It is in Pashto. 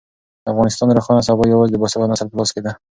د افغانستان روښانه سبا یوازې د باسواده نسل په لاس کې ده.